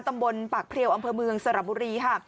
ตำบลปากเพลียวอำเภอเมืองสระบุรีค่ะ